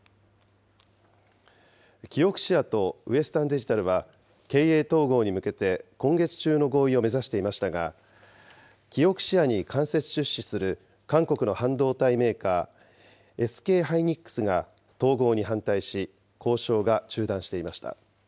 キオクシアとウエスタンデジタルは経営統合に向けて今月中の合意を目指していましたが、キオクシアに間接出資する韓国の半導体メーカー、ＳＫハイニックスが統合に反対し、交渉が中断していました。